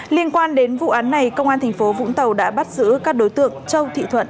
liên quan đến vụ án này công an thành phố vũng tàu đã bắt giữ các đối tượng châu thị thuận